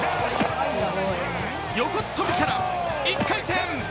横っ飛びから１回転。